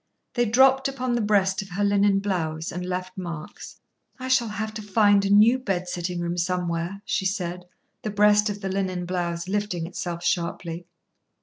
They dropped upon the breast of her linen blouse and left marks. "I shall have to find a new bed sitting room somewhere," she said, the breast of the linen blouse lifting itself sharply.